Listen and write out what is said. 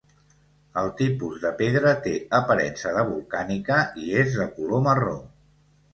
El tipus de pedra té aparença de volcànica i és de color marró.